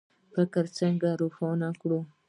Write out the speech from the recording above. فکر څنګه روښانه کړو؟